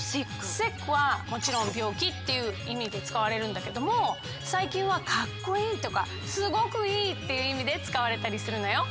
「ｓｉｃｋ」はもちろん「病気」っていういみでつかわれるんだけどもさいきんは「かっこいい」とか「すごくいい」っていういみでつかわれたりするのよ。